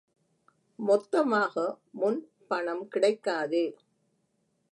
மொத்தமாக முன் பணம் கிடைக்காதே.